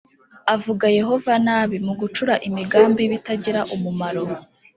Avuga Yehova nabi mu gucura imigambi y’ibitagira umumaro